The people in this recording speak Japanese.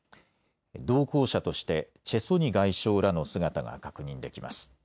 同行者としてチェ・ソニ外相らの姿が確認できます。